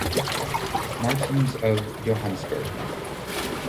Martins of Johannesburg.